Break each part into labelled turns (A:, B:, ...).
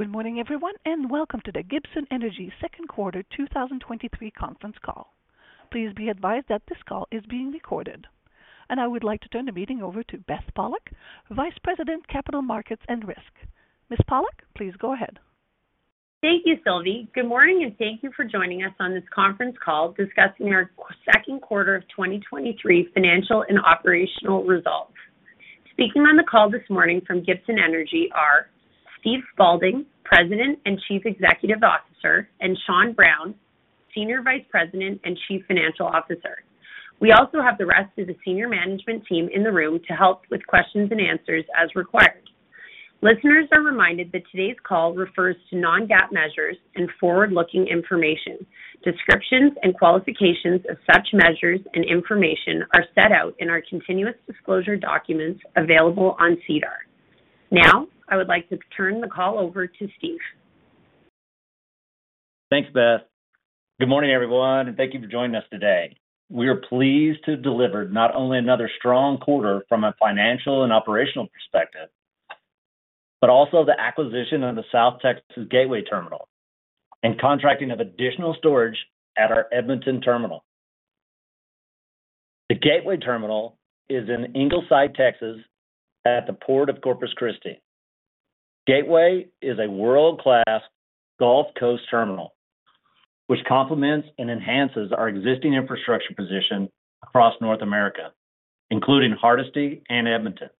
A: Good morning, everyone, welcome to the Gibson Energy Second Quarter 2023 conference call. Please be advised that this call is being recorded, I would like to turn the meeting over to Beth Pollock, Vice President, Capital Markets and Risk. Ms. Pollock, please go ahead.
B: Thank you, Sylvie. Good morning, and thank you for joining us on this conference call discussing our second quarter of 2023 financial and operational results. Speaking on the call this morning from Gibson Energy are Steve Spaulding, President and Chief Executive Officer, and Sean Brown, Senior Vice President and Chief Financial Officer. We also have the rest of the senior management eam in the room to help with questions and answers as required. Listeners are reminded that today's call refers to non-GAAP measures and forward-looking information. Descriptions and qualifications of such measures and information are set out in our continuous disclosure documents available on SEDAR. Now, I would like to turn the call over to Steve.
C: Thanks, Beth. Good morning, everyone, and thank you for joining us today. We are pleased to have delivered not only another strong quarter from a financial and operational perspective, but also the acquisition of the South Texas Gateway Terminal and contracting of additional storage at our Edmonton terminal. The Gateway Terminal is in Ingleside, Texas, at the Port of Corpus Christi. Gateway is a world-class Gulf Coast terminal, which complements and enhances our existing infrastructure position across North America, including Hardisty and Edmonton,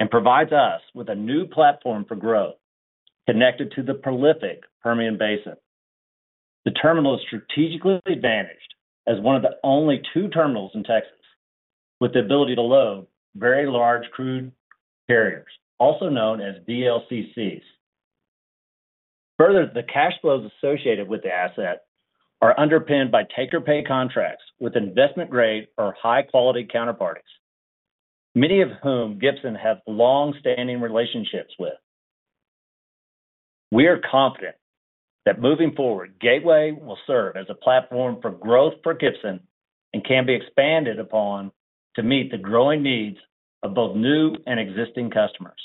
C: and provides us with a new platform for growth connected to the prolific Permian Basin. The terminal is strategically advantaged as one of the only two terminals in Texas with the ability to load very large crude carriers, also known as VLCCs. Further, the cash flows associated with the asset are underpinned by take-or-pay contracts with investment-grade or high-quality counterparties, many of whom Gibson have long-standing relationships with. We are confident that moving forward, Gateway will serve as a platform for growth for Gibson and can be expanded upon to meet the growing needs of both new and existing customers.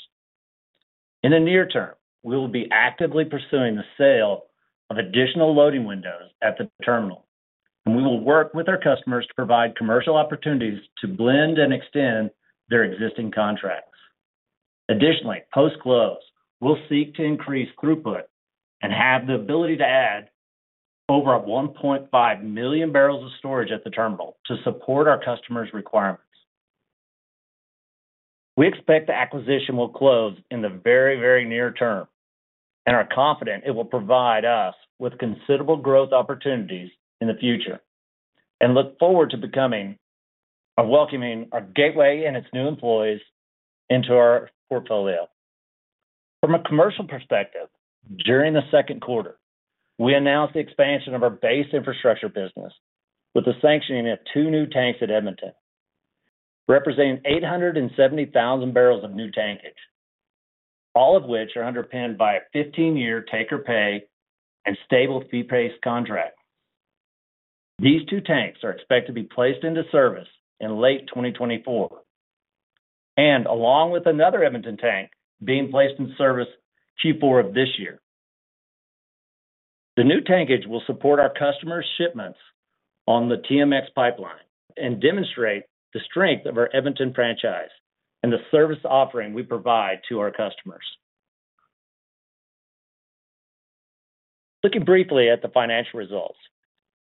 C: In the near term, we will be actively pursuing the sale of additional loading windows at the terminal, and we will work with our customers to provide commercial opportunities to blend and extend their existing contracts. Additionally, post-close, we'll seek to increase throughput and have the ability to add over 1.5 million barrels of storage at the terminal to support our customers' requirements. We expect the acquisition will close in the very, very near term and are confident it will provide us with considerable growth opportunities in the future and look forward to becoming welcoming our Gateway and its new employees into our portfolio. From a commercial perspective, during the second quarter, we announced the expansion of our base infrastructure business with the sanctioning of two new tanks at Edmonton, representing 870,000 barrels of new tankage, all of which are underpinned by a 15-year take-or-pay and stable fee-based contract. These two tanks are expected to be placed into service in late 2024, and along with another Edmonton tank being placed in service Q4 of this year. The new tankage will support our customers' shipments on the TMX pipeline and demonstrate the strength of our Edmonton franchise and the service offering we provide to our customers. Looking briefly at the financial results,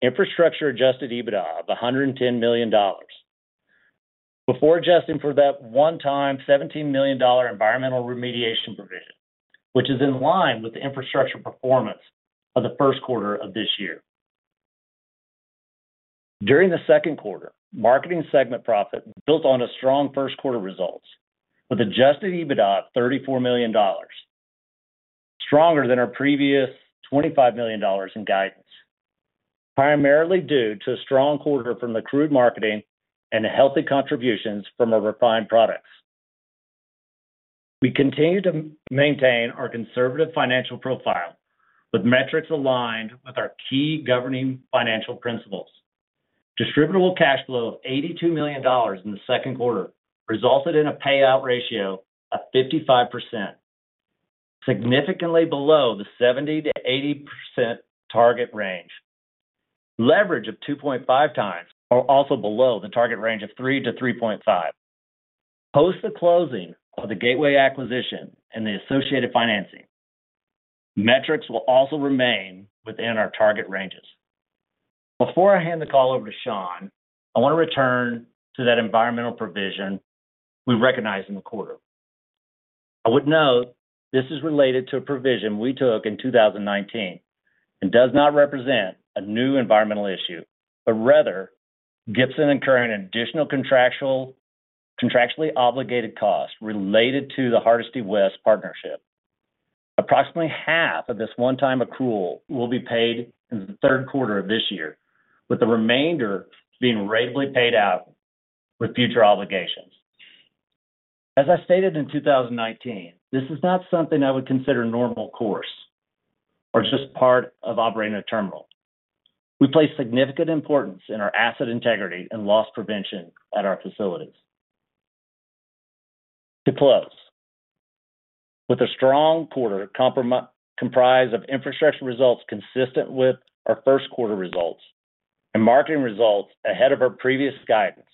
C: infrastructure adjusted EBITDA of 110 million dollars, before adjusting for that one-time 17 million dollar environmental remediation provision, which is in line with the infrastructure performance of the first quarter of this year. During the second quarter, marketing segment profit built on a strong first-quarter results, with adjusted EBITDA of 34 million dollars, stronger than our previous 25 million dollars in guidance, primarily due to a strong quarter from the crude marketing and healthy contributions from our refined products. We continue to maintain our conservative financial profile with metrics aligned with our key governing financial principles. Distributable cash flow of 82 million dollars in the second quarter resulted in a payout ratio of 55%, significantly below the 70%-80% target range. Leverage of 2.5x are also below the target range of 3-3.5. Post the closing of the Gateway acquisition and the associated financing, metrics will also remain within our target ranges. Before I hand the call over to Sean, I want to return to that environmental provision we recognized in the quarter. I would note this is related to a provision we took in 2019 and does not represent a new environmental issue, but rather, Gibson incurring additional contractually obligated costs related to the Hardisty West partnership. Approximately half of this one-time accrual will be paid in the third quarter of this year, with the remainder being ratably paid out with future obligations. As I stated in 2019, this is not something I would consider normal course or just part of operating a terminal. We place significant importance in our asset integrity and loss prevention at our facilities. To close, with a strong quarter comprised of infrastructure results consistent with our first quarter results, and marketing results ahead of our previous guidance,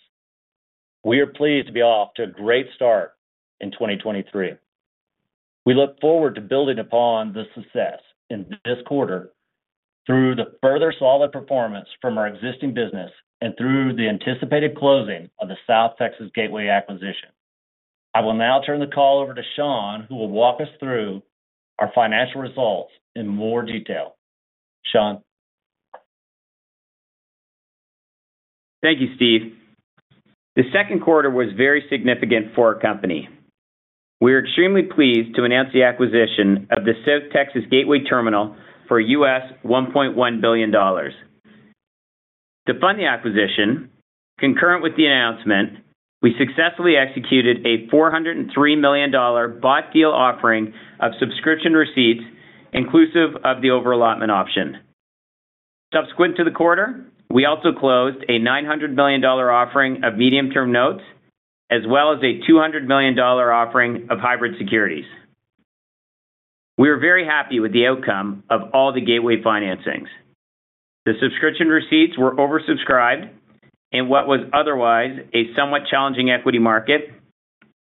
C: we are pleased to be off to a great start in 2023. We look forward to building upon the success in this quarter through the further solid performance from our existing business and through the anticipated closing of the South Texas Gateway acquisition. I will now turn the call over to Sean, who will walk us through our financial results in more detail. Sean?
D: Thank you, Steve. The second quarter was very significant for our company. We are extremely pleased to announce the acquisition of the South Texas Gateway Terminal for $1.1 billion. To fund the acquisition, concurrent with the announcement, we successfully executed a 403 million dollar bought deal offering of subscription receipts, inclusive of the over-allotment option. Subsequent to the quarter, we also closed a 900 million dollar offering of medium-term notes, as well as a 200 million dollar offering of hybrid securities. We are very happy with the outcome of all the Gateway financings. The subscription receipts were oversubscribed in what was otherwise a somewhat challenging equity market.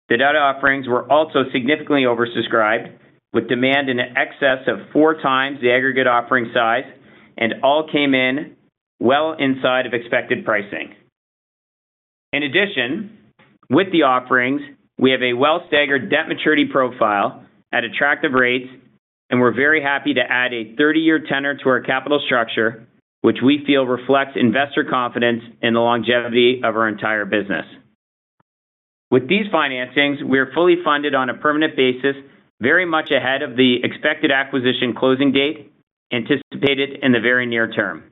D: The data offerings were also significantly oversubscribed, with demand in excess of four times the aggregate offering size, and all came in well inside of expected pricing. With the offerings, we have a well-staggered debt maturity profile at attractive rates. We're very happy to add a 30-year tenor to our capital structure, which we feel reflects investor confidence in the longevity of our entire business. With these financings, we are fully funded on a permanent basis, very much ahead of the expected acquisition closing date, anticipated in the very near term.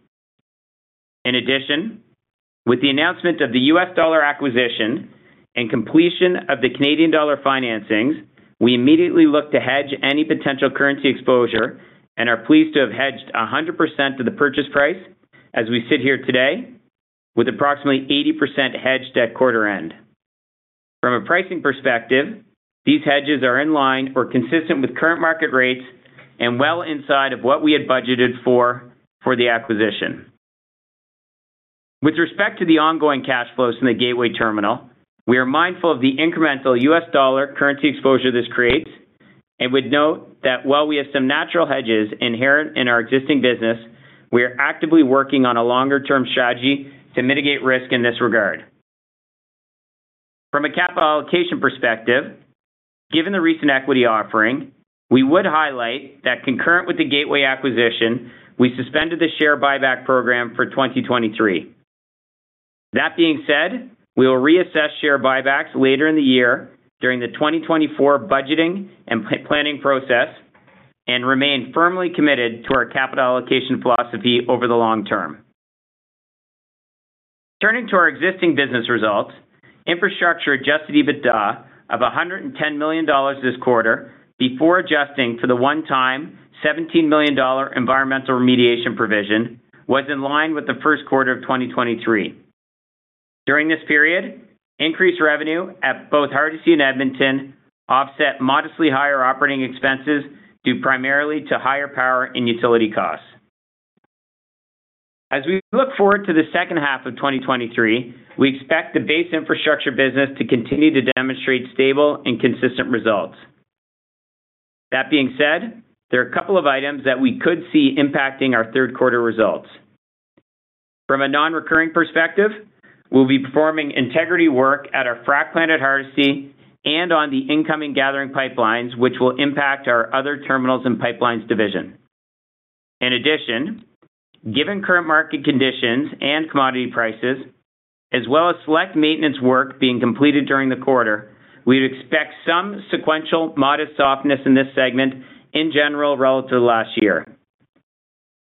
D: With the announcement of the US dollar acquisition and completion of the Canadian dollar financings, we immediately looked to hedge any potential currency exposure and are pleased to have hedged 100% of the purchase price as we sit here today, with approximately 80% hedged at quarter end. From a pricing perspective, these hedges are in line or consistent with current market rates and well inside of what we had budgeted for, for the acquisition. With respect to the ongoing cash flows from the Gateway Terminal, we are mindful of the incremental US dollar currency exposure this creates, and would note that while we have some natural hedges inherent in our existing business, we are actively working on a longer-term strategy to mitigate risk in this regard. From a capital allocation perspective, given the recent equity offering, we would highlight that concurrent with the Gateway acquisition, we suspended the share buyback program for 2023. That being said, we will reassess share buybacks later in the year during the 2024 budgeting and planning process, and remain firmly committed to our capital allocation philosophy over the long term. Turning to our existing business results, infrastructure adjusted EBITDA of 110 million dollars this quarter, before adjusting for the one-time 17 million dollar environmental remediation provision, was in line with the first quarter of 2023. During this period, increased revenue at both Hardisty and Edmonton offset modestly higher operating expenses, due primarily to higher power and utility costs. As we look forward to the second half of 2023, we expect the base infrastructure business to continue to demonstrate stable and consistent results. That being said, there are a couple of items that we could see impacting our third quarter results. From a non-recurring perspective, we'll be performing integrity work at our frac plant at Hardisty and on the incoming gathering pipelines, which will impact our other terminals and pipelines division. In addition, given current market conditions and commodity prices, as well as select maintenance work being completed during the quarter, we would expect some sequential modest softness in this segment in general relative to last year.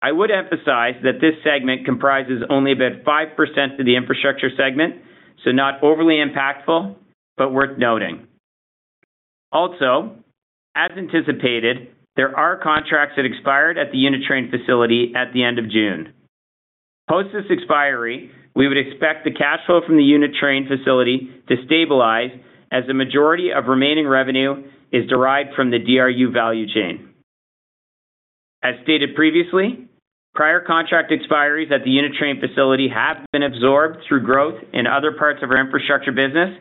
D: I would emphasize that this segment comprises only about 5% of the infrastructure segment, so not overly impactful, but worth noting. As anticipated, there are contracts that expired at the unit train facility at the end of June. Post this expiry, we would expect the cash flow from the unit train facility to stabilize as the majority of remaining revenue is derived from the DRU value chain. As stated previously, prior contract expiries at the unit train facility have been absorbed through growth in other parts of our infrastructure business,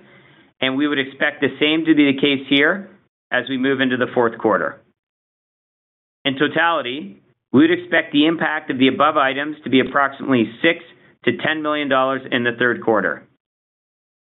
D: and we would expect the same to be the case here as we move into the fourth quarter. In totality, we would expect the impact of the above items to be approximately 6 million-10 million dollars in the third quarter.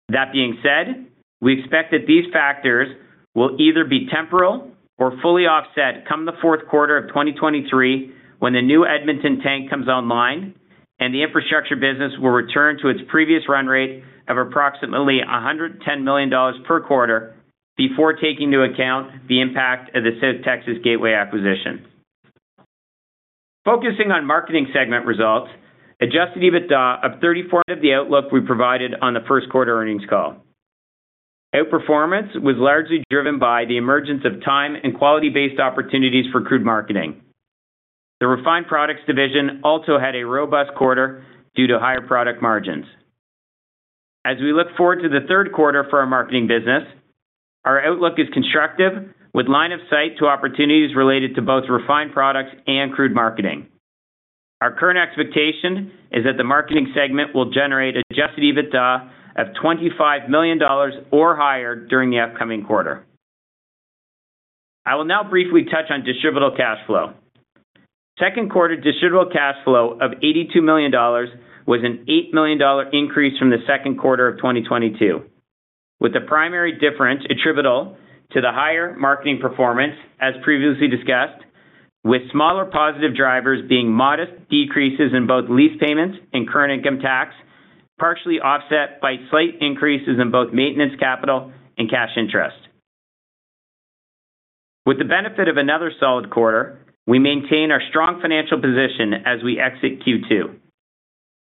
D: That being said, we expect that these factors will either be temporal or fully offset come the fourth quarter of 2023, when the new Edmonton tank comes online, and the infrastructure business will return to its previous run rate of approximately 110 million dollars per quarter, before taking into account the impact of the South Texas Gateway acquisition. Focusing on marketing segment results, adjusted EBITDA of the outlook we provided on the first quarter earnings call. Outperformance was largely driven by the emergence of time and quality-based opportunities for crude marketing. The refined products division also had a robust quarter due to higher product margins. As we look forward to the third quarter for our marketing business, our outlook is constructive, with line of sight to opportunities related to both refined products and crude marketing. Our current expectation is that the marketing segment will generate adjusted EBITDA of 25 million dollars or higher during the upcoming quarter. I will now briefly touch on distributable cash flow. Second quarter distributable cash flow of 82 million dollars was an 8 million dollar increase from the second quarter of 2022, with the primary difference attributable to the higher marketing performance, as previously discussed, with smaller positive drivers being modest decreases in both lease payments and current income tax, partially offset by slight increases in both maintenance, capital, and cash interest. With the benefit of another solid quarter, we maintain our strong financial position as we exit Q2.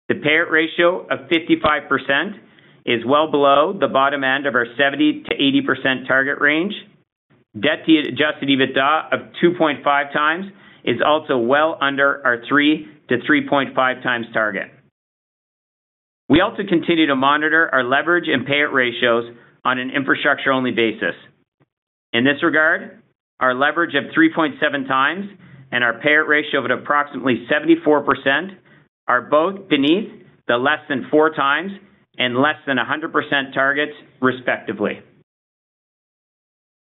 D: The payout ratio of 55% is well below the bottom end of our 70%-80% target range. Debt to adjusted EBITDA of 2.5x is also well under our 3x-3.5x target. We also continue to monitor our leverage and payout ratios on an infrastructure-only basis. In this regard, our leverage of 3.7x and our payout ratio of approximately 74% are both beneath the less than 4x and less than 100% targets, respectively.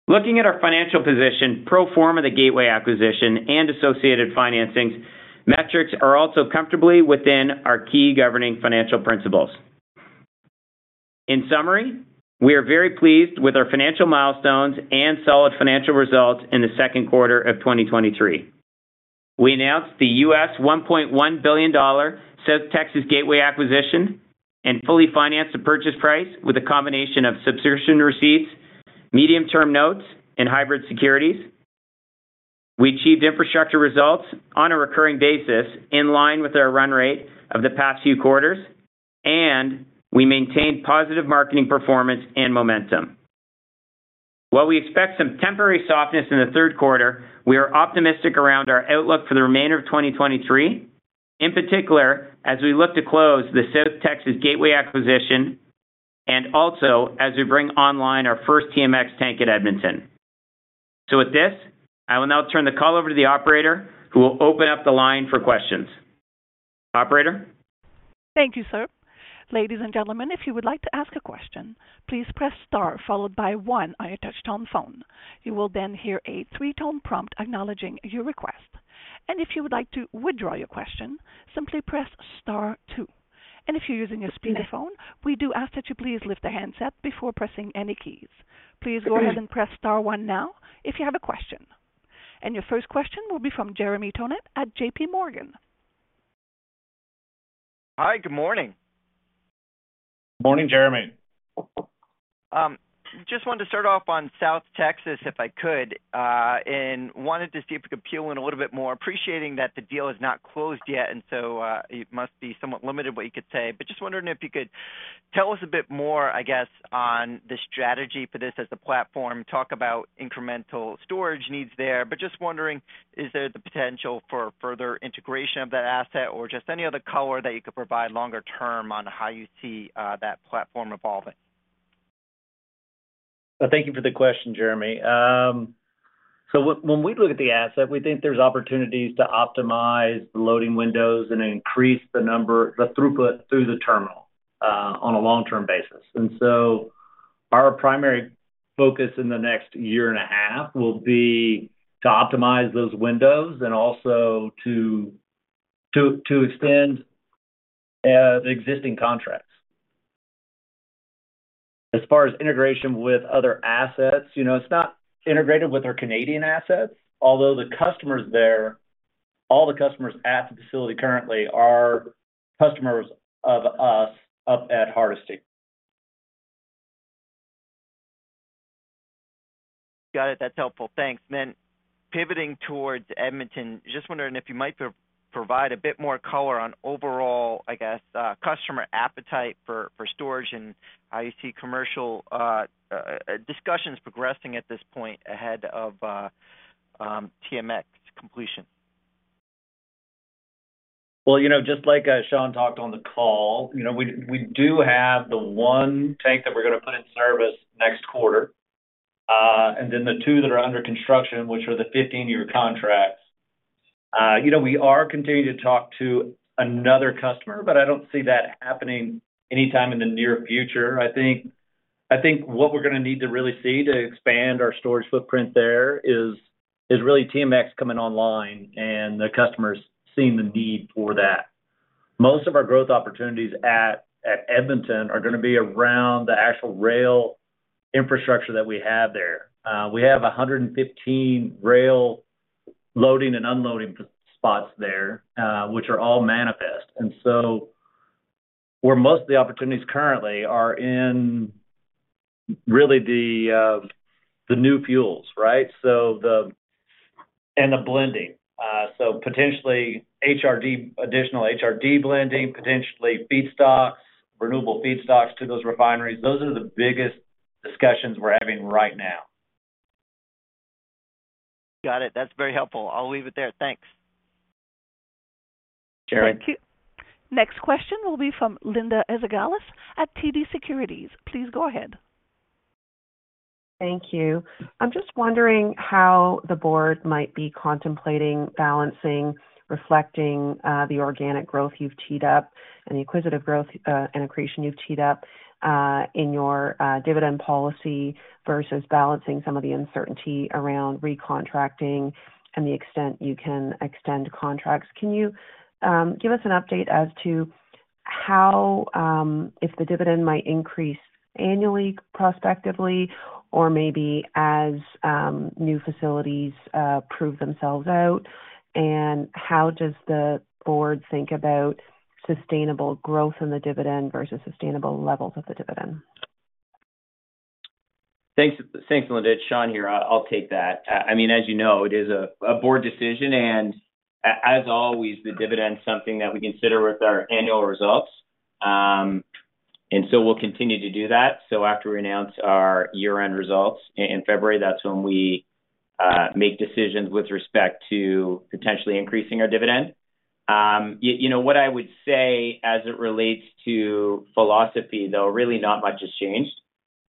D: Looking at our financial position, pro forma, the Gateway acquisition and associated financing metrics are also comfortably within our key governing financial principles. In summary, we are very pleased with our financial milestones and solid financial results in the second quarter of 2023. We announced the US $1.1 billion South Texas Gateway acquisition and fully financed the purchase price with a combination of subscription receipts, medium-term notes, and hybrid securities. We achieved infrastructure results on a recurring basis, in line with our run rate of the past few quarters, and we maintained positive marketing performance and momentum. While we expect some temporary softness in the third quarter, we are optimistic around our outlook for the remainder of 2023, in particular as we look to close the South Texas Gateway acquisition and also as we bring online our first TMX tank at Edmonton. With this, I will now turn the call over to the operator, who will open up the line for questions. Operator?
A: Thank you, sir. Ladies and gentlemen, if you would like to ask a question, please press star followed by one on your touch-tone phone. You will then hear a three-tone prompt acknowledging your request. If you would like to withdraw your question, simply press star two. If you're using a speakerphone, we do ask that you please lift the handset before pressing any keys. Please go ahead and press star one now if you have a question. Your first question will be from Jeremy Tonet at JP Morgan.
E: Hi, good morning.
C: Morning, Jeremy.
E: Just wanted to start off on South Texas, if I could, wanted to see if you could peel in a little bit more, appreciating that the deal is not closed yet, it must be somewhat limited what you could say. Just wondering if you could tell us a bit more, I guess, on the strategy for this as the platform. Talk about incremental storage needs there, just wondering, is there the potential for further integration of that asset or just any other color that you could provide longer term on how you see that platform evolving?
C: Thank you for the question, Jeremy. When we look at the asset, we think there's opportunities to optimize the loading windows and increase the throughput through the terminal on a long-term basis. Our primary focus in the next year and a half will be to optimize those windows and also to extend the existing contracts. As far as integration with other assets, you know, it's not integrated with our Canadian assets, although the customers there, all the customers at the facility currently are customers of us up at Hardisty.
E: Got it. That's helpful. Thanks. Then pivoting towards Edmonton, just wondering if you might provide a bit more color on overall, I guess, customer appetite for, for storage and how you see commercial, discussions progressing at this point ahead of, TMX completion?
C: Well, you know, just like, Sean talked on the call, you know, we, we do have the one tank that we're going to put in service next quarter, and then the two that are under construction, which are the 15-year contracts. You know, we are continuing to talk to another customer, but I don't see that happening anytime in the near future. I think, I think what we're going to need to really see to expand our storage footprint there is, is really TMX coming online and the customers seeing the need for that. Most of our growth opportunities at Edmonton are going to be around the actual rail infrastructure that we have there. We have 115 rail loading and unloading spots there, which are all manifest. Where most of the opportunities currently are in really the new fuels, right? The blending, potentially HRD, additional HRD blending, potentially feedstocks, renewable feedstocks to those refineries. Those are the biggest discussions we're having right now.
E: Got it. That's very helpful. I'll leave it there. Thanks.
A: Sharon. Thank you. Next question will be from Linda Ezergailis at TD Securities. Please go ahead.
F: Thank you. I'm just wondering how the board might be contemplating balancing, reflecting, the organic growth you've teed up and the acquisitive growth, and accretion you've teed up, in your dividend policy versus balancing some of the uncertainty around recontracting and the extent you can extend contracts. Can you give us an update as to how, if the dividend might increase annually, prospectively, or maybe as new facilities prove themselves out? How does the board think about sustainable growth in the dividend versus sustainable levels of the dividend?
D: Thanks, thanks, Linda. It's Sean here. I, I'll take that. I mean, as you know, it is a, a board decision, as always, the dividend is something that we consider with our annual results. We'll continue to do that. After we announce our year-end results in, in February, that's when we make decisions with respect to potentially increasing our dividend. You know, what I would say as it relates to philosophy, though, really not much has changed.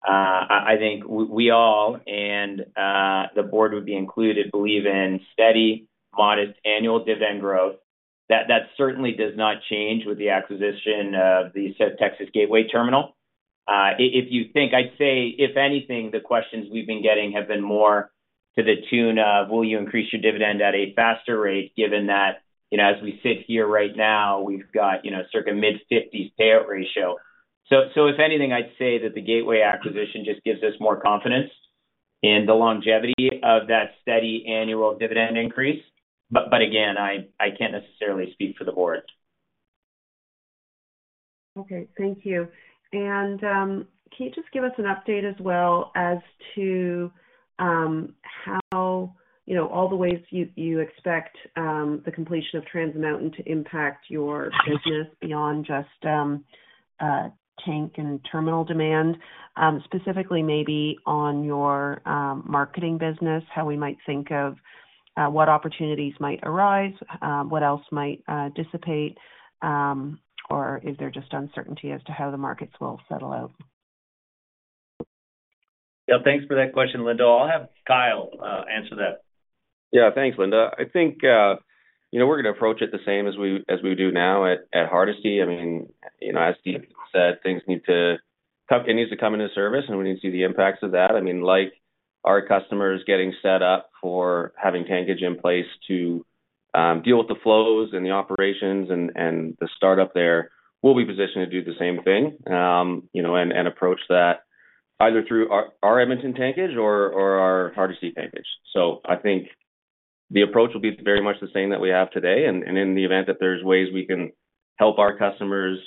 D: I, I think we, we all, and the board would be included, believe in steady, modest annual dividend growth. That, that certainly does not change with the acquisition of the South Texas Gateway Terminal. I'd say, if anything, the questions we've been getting have been more to the tune of: Will you increase your dividend at a faster rate, given that, you know, as we sit here right now, we've got, you know, circa mid-50s payout ratio? If anything, I'd say that the Gateway acquisition just gives us more confidence in the longevity of that steady annual dividend increase. Again, I, I can't necessarily speak for the board.
F: Okay. Thank you. Can you just give us an update as well as to, how, you know, all the ways you, you expect, the completion of Trans Mountain to impact your business beyond just, tank and terminal demand? Specifically maybe on your marketing business, how we might think of, what opportunities might arise, what else might dissipate, or is there just uncertainty as to how the markets will settle out?
D: Yeah, thanks for that question, Linda. I'll have Kyle answer that.
G: Yeah, thanks, Linda. I think, you know, we're gonna approach it the same as we, as we do now at, at Hardisty. I mean, you know, as Steve said, it needs to come into service. We need to see the impacts of that. I mean, like our customers getting set up for having tankage in place to deal with the flows and the operations and, and the startup there, we'll be positioned to do the same thing. You know, and approach that either through our, our Edmonton tankage or, or our Hardisty tankage. I think the approach will be very much the same that we have today, and, and in the event that there's ways we can help our customers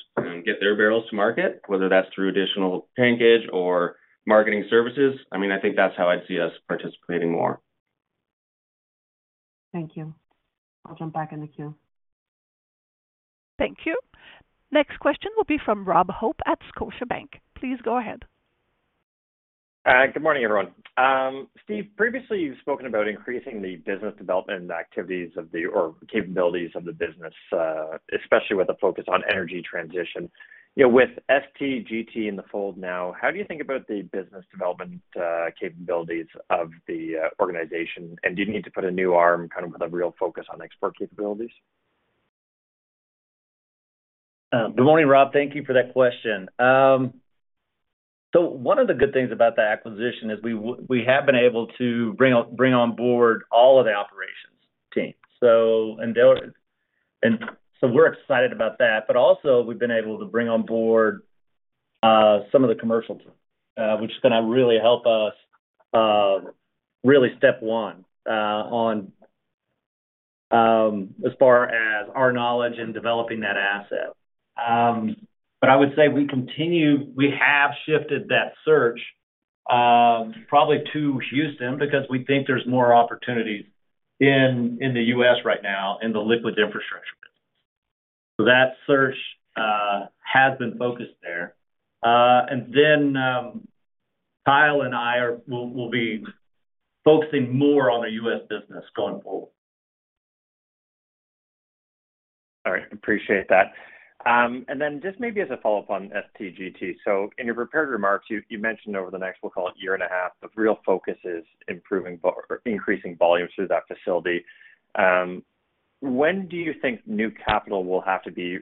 G: get their barrels to market, whether that's through additional tankage or marketing services, I mean, I think that's how I'd see us participating more.
F: Thank you. I'll jump back in the queue.
A: Thank you. Next question will be from Robert Hope at Scotiabank. Please go ahead.
H: Good morning, everyone. Steve, previously, you've spoken about increasing the business development activities of the or capabilities of the business, especially with a focus on energy transition. You know, with STGT in the fold now, how do you think about the business development capabilities of the organization? Do you need to put a new arm kind of with a real focus on export capabilities?
C: Good morning, Rob. Thank you for that question. One of the good things about the acquisition is we have been able to bring on, bring on board all of the operations team. We're excited about that, but also we've been able to bring on board some of the commercial team, which is gonna really help us really step one on as far as our knowledge in developing that asset. We have shifted that search probably to Houston, because we think there's more opportunities in the US right now in the liquid infrastructure. That search has been focused there. Kyle and I are, will, will be focusing more on the US business going forward.
H: All right. Appreciate that. Just maybe as a follow-up on STGT. In your prepared remarks, you, you mentioned over the next, we'll call it year and a half, the real focus is improving or increasing volumes through that facility. When do you think new capital will have to be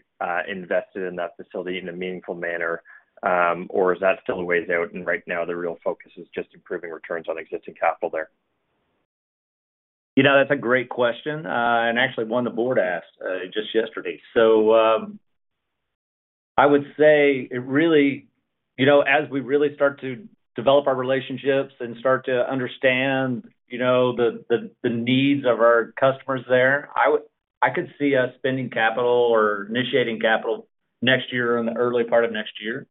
H: invested in that facility in a meaningful manner? Is that still a ways out, and right now the real focus is just improving returns on existing capital there?
C: You know, that's a great question, actually one the board asked just yesterday. I would say it really, you know, as we really start to develop our relationships and start to understand, you know, the needs of our customers there, I could see us spending capital or initiating capital next year or in the early part of next year.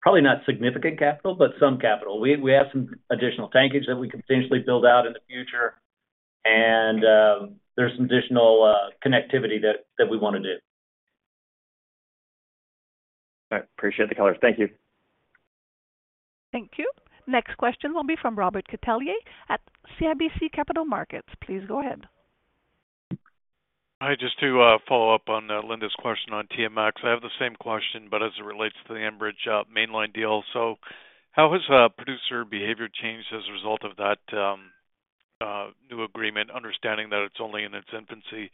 C: Probably not significant capital, some capital. We, we have some additional tankage that we can potentially build out in the future, there's some additional connectivity that we want to do.
H: I appreciate the color. Thank you.
A: Thank you. Next question will be from Robert Catellier at CIBC Capital Markets. Please go ahead.
I: Hi, just to follow up on Linda's question on TMX. I have the same question, but as it relates to the Enbridge Mainline deal. How has producer behavior changed as a result of that new agreement, understanding that it's only in its infancy?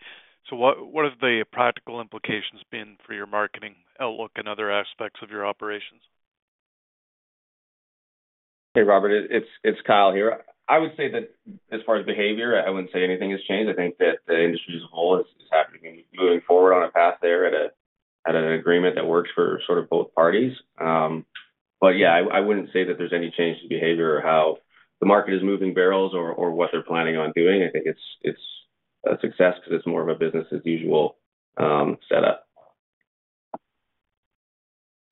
I: What, what have the practical implications been for your marketing outlook and other aspects of your operations?
G: Hey, Robert, it, it's, it's Kyle here. I would say that as far as behavior, I wouldn't say anything has changed. I think that the industry as a whole is, is happening, moving forward on a path there at a, at an agreement that works for sort of both parties. Yeah, I, I wouldn't say that there's any change in behavior or how the market is moving barrels or, or what they're planning on doing. I think it's, it's a success because it's more of a business as usual setup.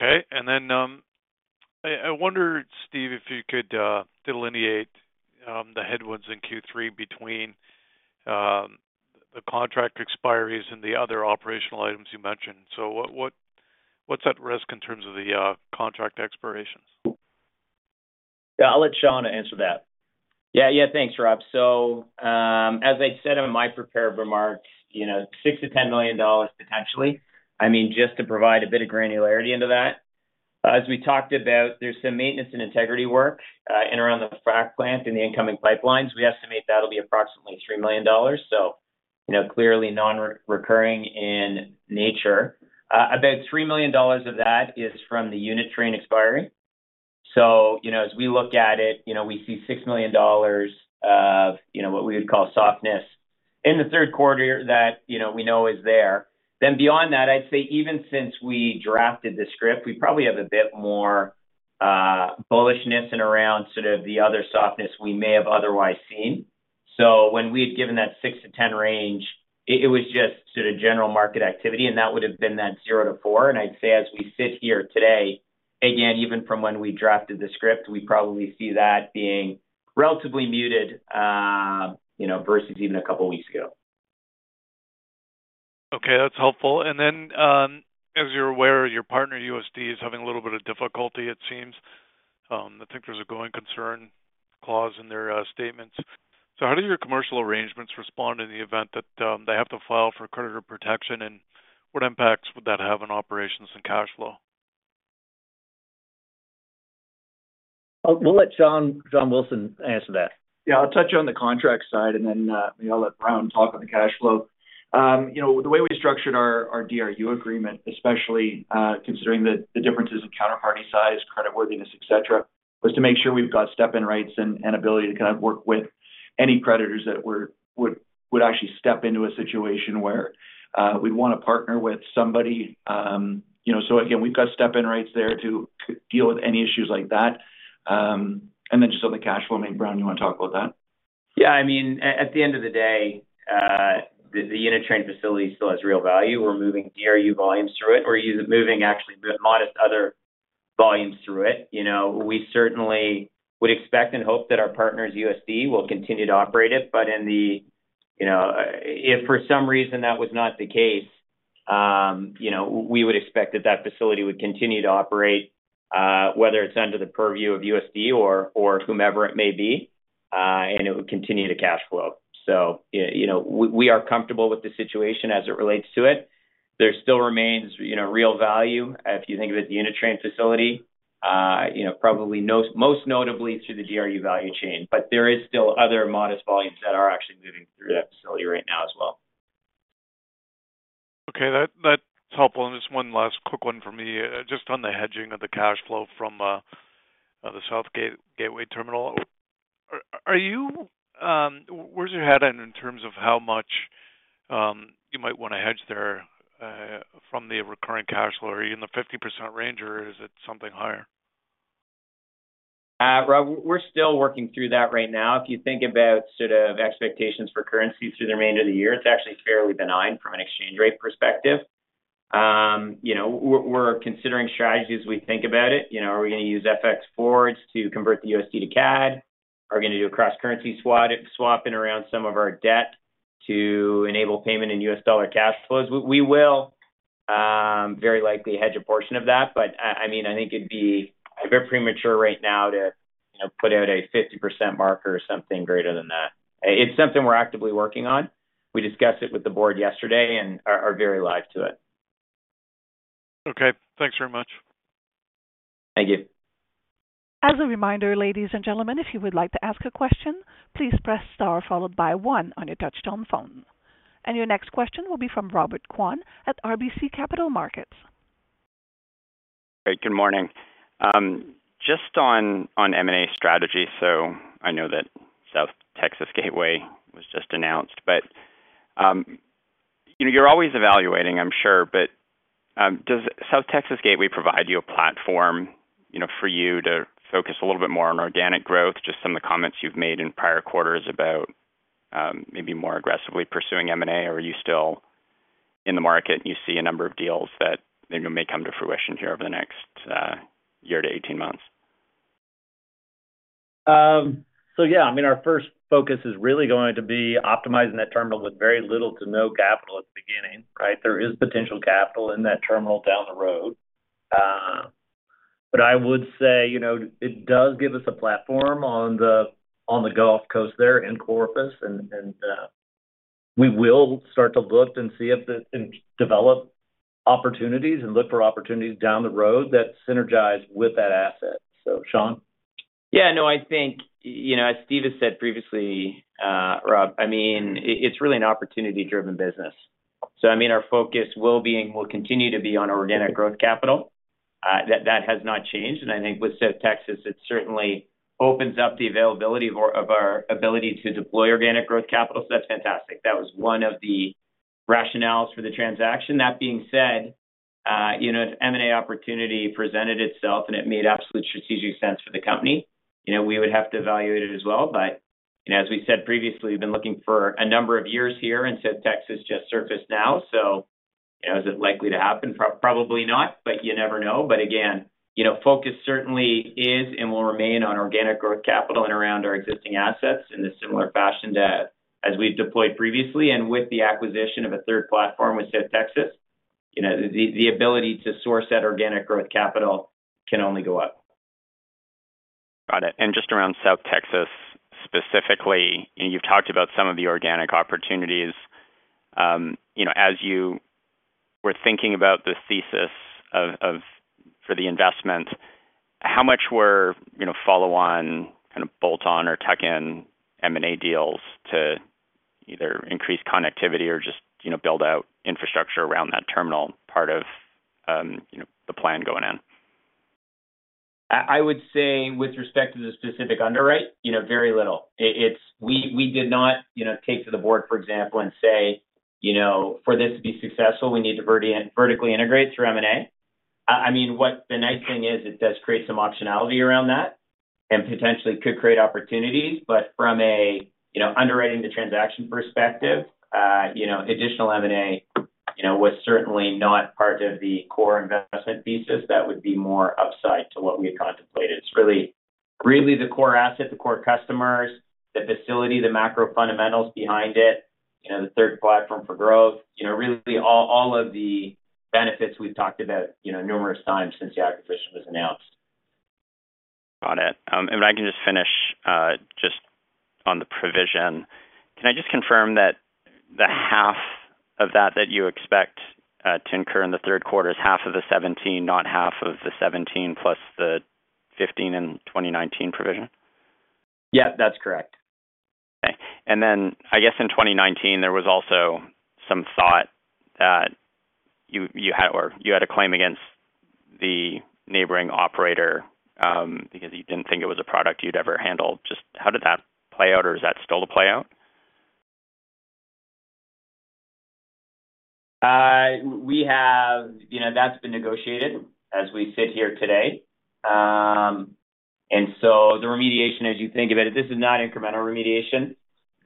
I: Okay. Then, I, I wonder, Steve, if you could delineate the headwinds in Q3 between the contract expiries and the other operational items you mentioned. What, what, what's at risk in terms of the contract expirations?
C: Yeah, I'll let Sean answer that.
D: Yeah. Yeah, thanks, Rob. As I said in my prepared remarks, you know, 6 million-10 million dollars, potentially. I mean, just to provide a bit of granularity into that. As we talked about, there's some maintenance and integrity work in around the frac plant in the incoming pipelines. We estimate that'll be approximately CaD 3 million, you know, clearly non-recurring in nature. About 3 million dollars of that is from the unit train expiry. You know, as we look at it, you know, we see 6 million dollars of, you know, what we would call softness in the third quarter that, you know, we know is there. Beyond that, I'd say even since we drafted the script, we probably have a bit more bullishness and around sort of the other softness we may have otherwise seen. When we had given that 6-10 range, it was just sort of general market activity, and that would have been that 0-4. I'd say as we sit here today, again, even from when we drafted the script, we probably see that being relatively muted, you know, versus even a couple of weeks ago.
I: Okay, that's helpful. Then, as you're aware, your partner, USD, is having a little bit of difficulty, it seems. I think there's a going concern clause in their statements. How do your commercial arrangements respond in the event that they have to file for creditor protection, and what impacts would that have on operations and cash flow?
D: We'll let John, John Wilson answer that.
J: Yeah, I'll touch on the contract side, and then, you know, I'll let Brown talk on the cash flow. You know, the way we structured our, our DRU agreement, especially, considering the, the differences in counterparty size, creditworthiness, et cetera, was to make sure we've got step-in rights and, and ability to kind of work with any creditors that would actually step into a situation where, we'd want to partner with somebody. You know, so again, we've got step-in rights there to deal with any issues like that. Then just on the cash flow, I mean, Brown, you want to talk about that?
D: Yeah, I mean, at, at the end of the day, the, the unit train facility still has real value. We're moving DRU volumes through it. We're moving actually modest other volumes through it. You know, we certainly would expect and hope that our partners, USD, will continue to operate it. You know, if for some reason that was not the case, we would expect that that facility would continue to operate, whether it's under the purview of USD or, or whomever it may be, and it would continue to cash flow. You know, we are comfortable with the situation as it relates to it. There still remains, you know, real value if you think of it, the unit train facility, probably most, most notably through the DRU value chain. There is still other modest volumes that are actually moving through that facility right now as well.
I: Okay, that, that's helpful. Just one last quick one for me. Just on the hedging of the cash flow from the Gateway Terminal, where's your head in terms of how much you might want to hedge there from the recurring cash flow? Are you in the 50% range, or is it something higher?
D: Rob, we're still working through that right now. If you think about sort of expectations for currency through the remainder of the year, it's actually fairly benign from an exchange rate perspective. You know, we're, we're considering strategies as we think about it. You know, are we gonna use FX forwards to convert the USD to CAD? Are we gonna do a cross-currency swap, swapping around some of our debt to enable payment in US dollar cash flows? We will, very likely hedge a portion of that, but I, I mean, I think it'd be a bit premature right now to, you know, put out a 50% marker or something greater than that. It's something we're actively working on. We discussed it with the board yesterday and are, are very live to it.
I: Okay, thanks very much.
D: Thank you.
A: As a reminder, ladies and gentlemen, if you would like to ask a question, please press star, followed by 1 on your touchtone phone. Your next question will be from Robert Kwan at RBC Capital Markets.
K: Great. Good morning. Just on M&A strategy. I know that South Texas Gateway was just announced. You know, you're always evaluating, I'm sure. Does South Texas Gateway provide you a platform, you know, for you to focus a little bit more on organic growth, just some of the comments you've made in prior quarters about maybe more aggressively pursuing M&A, or are you still in the market, and you see a number of deals that, you know, may come to fruition here over the next year to 18 months?
C: ...Yeah, I mean, our first focus is really going to be optimizing that terminal with very little to no capital at the beginning, right? There is potential capital in that terminal down the road. I would say, you know, it does give us a platform on the, on the Gulf Coast there in Corpus, and we will start to look and see and develop opportunities and look for opportunities down the road that synergize with that asset. Sean?
D: Yeah, no, I think, you know, as Steve has said previously, Rob, I mean, it, it's really an opportunity-driven business. I mean, our focus will be and will continue to be on organic growth capital. That, that has not changed, and I think with South Texas, it certainly opens up the availability of our, of our ability to deploy organic growth capital. That's fantastic. That was one of the rationales for the transaction. That being said, you know, if M&A opportunity presented itself and it made absolute strategic sense for the company, you know, we would have to evaluate it as well. You know, as we said previously, we've been looking for a number of years here, and South Texas just surfaced now. You know, is it likely to happen? Probably not, but you never know. Again, you know, focus certainly is and will remain on organic growth capital and around our existing assets in a similar fashion to as we've deployed previously. With the acquisition of a 3rd platform with South Texas, you know, the, the ability to source that organic growth capital can only go up.
K: Got it. Just around South Texas specifically, you've talked about some of the organic opportunities, you know, as you were thinking about the thesis for the investment, how much were, you know, follow-on, kind of, bolt-on or tuck-in M&A deals to either increase connectivity or just, you know, build out infrastructure around that terminal part of, you know, the plan going in?
D: I would say with respect to the specific underwrite, you know, very little. We, we did not, you know, take to the board, for example, and say, you know, "For this to be successful, we need to vertically integrate through M&A." I mean, what the nice thing is, it does create some optionality around that and potentially could create opportunities. From a, you know, underwriting the transaction perspective, you know, additional M&A, you know, was certainly not part of the core investment thesis. That would be more upside to what we had contemplated. It's really, really the core asset, the core customers, the facility, the macro fundamentals behind it, you know, the third platform for growth. You know, really, all of the benefits we've talked about, you know, numerous times since the acquisition was announced.
K: Got it. If I can just finish, just on the provision, can I just confirm that the half of that that you expect to incur in the third quarter is half of the 17, not half of the 17 plus the 15 and 2019 provision?
D: Yeah, that's correct.. Okay. Then I guess in 2019, there was also some thought that you, you had or you had a claim against the neighboring operator, because you didn't think it was a product you'd ever handle. Just how did that play out, or is that still to play out?
C: We have... You know, that's been negotiated as we sit here today. The remediation, as you think about it, this is not incremental remediation.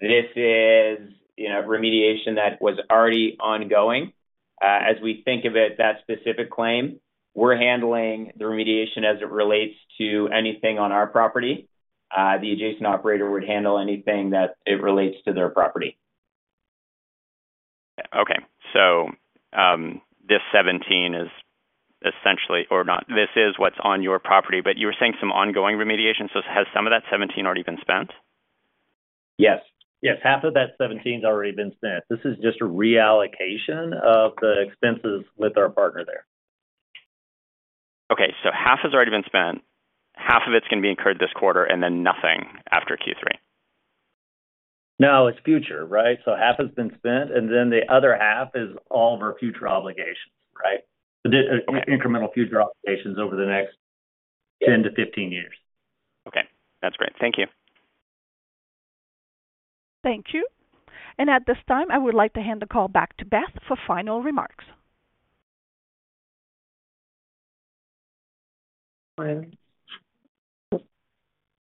C: This is, you know, remediation that was already ongoing. As we think of it, that specific claim, we're handling the remediation as it relates to anything on our property. The adjacent operator would handle anything that it relates to their property.
K: Okay. This 17 is essentially or not... This is what's on your property, but you were saying some ongoing remediation. Has some of that 17 already been spent?
D: Yes. Yes, half of that 17 has already been spent. This is just a reallocation of the expenses with our partner there.
K: Okay, half has already been spent, half of it's going to be incurred this quarter, and then nothing after Q3?
D: No, it's future, right? Half has been spent, the other half is all of our future obligations, right? This is incremental future obligations over the next-
K: Yeah.
D: 10-15 years.
K: Okay. That's great. Thank you.
A: Thank you. At this time, I would like to hand the call back to Beth for final remarks.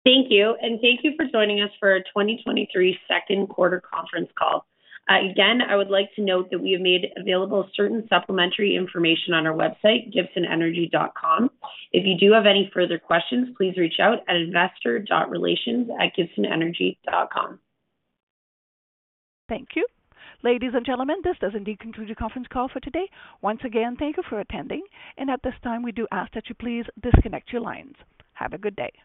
B: Thank you, thank you for joining us for our 2023 second quarter conference call. Again, I would like to note that we have made available certain supplementary information on our website, gibsonenergy.com. If you do have any further questions, please reach out at investor.relations@gibsonenergy.com.
A: Thank you. Ladies and gentlemen, this does indeed conclude the conference call for today. Once again, thank you for attending, and at this time, we do ask that you please disconnect your lines. Have a good day.